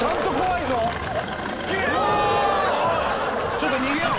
ちょっと逃げよう。